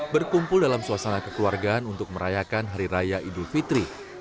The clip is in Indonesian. berkumpul dalam suasana kekeluargaan untuk merayakan hari raya idul fitri